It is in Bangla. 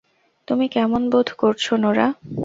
তুমি কেমন বোধ করছো, নোরা?